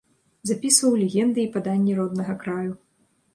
Запісваў легенды і паданні роднага краю.